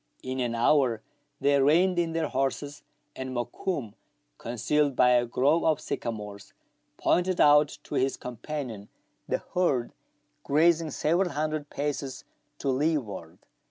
In an hour they reined in their horses, and Mokoum, concealed by a grove of sycamores, pointed out to his companion the herd grazing several hundred paces to leeward.